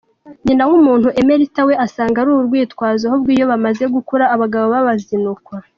Nyinawumuntu Emeritha we asanga ari urwitwazo ahubwo iyo bamaze gukura abagabo babazinukwa.